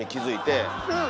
うん。